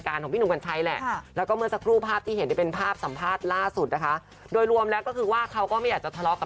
ไม่ควรที่จะใหญ่ขนาดนี้แต่ว่าคือมันออกมาแล้วมันก็คือคนก็เห็นหมดแล้วอ่ะ